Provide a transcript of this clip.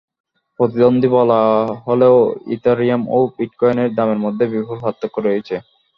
প্রতিদ্বন্দ্বী বলা হলেও ইথারিয়াম ও বিটকয়েনের দামের মধ্যে বিপুল পার্থক্য রয়েছে।